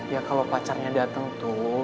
ya kalau pacarnya datang tuh